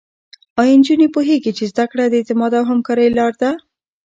ایا نجونې پوهېږي چې زده کړه د اعتماد او همکارۍ لاره ده؟